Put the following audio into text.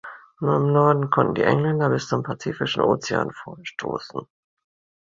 Nur im Norden konnten die Engländer bis zum Pazifischen Ozean vorstoßen.